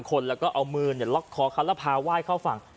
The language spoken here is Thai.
คนเราก็เอามือนะล็อกคอคนแล้วพาไหว้เข้าฝั่ง